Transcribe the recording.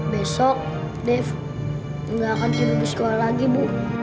besok dev enggak akan tidur di sekolah lagi bu